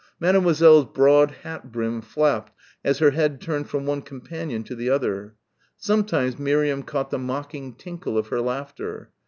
Mademoiselle's broad hat brim flapped as her head turned from one companion to the other. Sometimes Miriam caught the mocking tinkle of her laughter.